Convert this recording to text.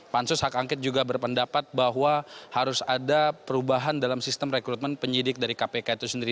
pansus hak angket juga berpendapat bahwa harus ada perubahan dalam sistem rekrutmen penyidik dari kpk itu sendiri